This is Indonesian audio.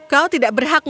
kau tidak berhak memakainya